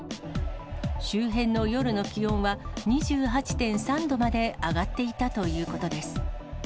周辺の夜の気温は、２８．３度まで上がっていたということです。